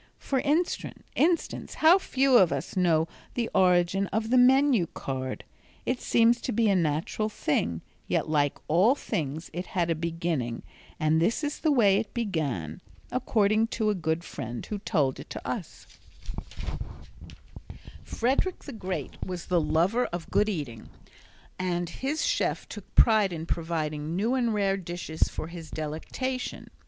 For instance, how few of us know the origin of the menu card. It seems to be a natural thing, yet, like all things, it had a beginning, and this is the way it began (according to a good friend who told it to us): Frederick the Great was a lover of good eating and his chef took pride in providing new and rare dishes for his delectation.